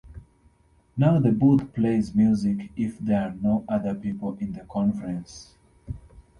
Now the booth plays music if there are no other people in the conference.